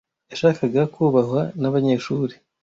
Yashakaga kubahwa nabanyeshuri.